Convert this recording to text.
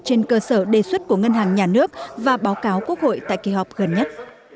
trên cơ sở đề xuất của ngân hàng nhà nước và báo cáo quốc hội tại kỳ họp gần nhất